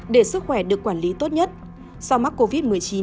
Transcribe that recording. để sức khỏe được quản lý tốt nhất sau mắc covid một mươi chín